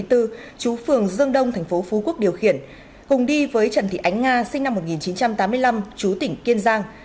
trú phường dương đông thành phố phú quốc điều khiển cùng đi với trần thị ánh nga sinh năm một nghìn chín trăm tám mươi năm chú tỉnh kiên giang